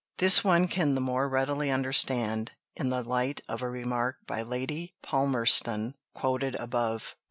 " This one can the more readily understand in the light of a remark by Lady Palmerston quoted above.